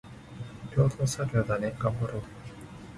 共同作業だね、がんばろーよ